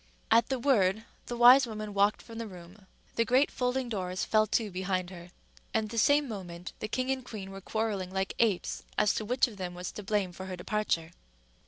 At the word the wise woman walked from the room. The great folding doors fell to behind her; and the same moment the king and queen were quarrelling like apes as to which of them was to blame for her departure.